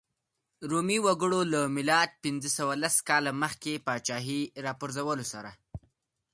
رومي وګړو له میلاد پنځه سوه لس کاله مخکې پاچاهۍ راپرځولو سره.